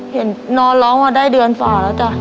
เห็นนอนร้องมาได้เดือนฝ่าแล้วจ้ะ